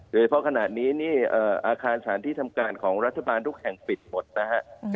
เพราะขณะนี้นี่อาคารสถานที่ทำการของรัฐบาลทุกแห่งปิดหมดนะฮะ